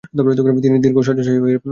তিনি দীর্ঘ শয্যাশায়ী হয়ে রইলেন।